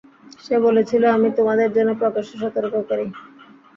সে বলেছিল, আমি তোমাদের জন্য প্রকাশ্য সতর্ককারী।